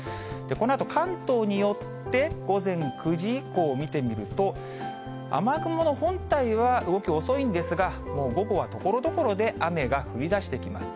このあと関東に寄って、午前９時以降見てみると、雨雲の本体は動き遅いんですが、もう午後はところどころで雨が降りだしてきます。